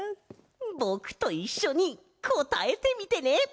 ぼくといっしょにこたえてみてね！